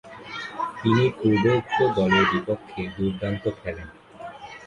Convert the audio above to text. তিনি পূর্বোক্ত দলের বিপক্ষে দূর্দান্ত খেলেন।